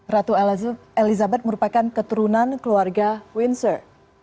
ratu elizabeth merupakan keturunan keluarga windsor